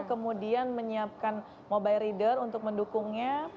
kemudian menyiapkan mobile reader untuk mendukungnya